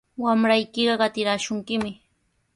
Wamraykiqa qatiraashunkimi.